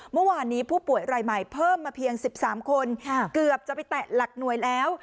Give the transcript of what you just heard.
เมื่อวานนี้ผู้ป่วยรายใหม่เพิ่มมาเพียง๑๓คนเกือบจะไปแตะหลักหน่วยแล้ว